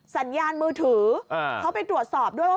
สัญญาณมือถือเขาไปตรวจสอบด้วยว่า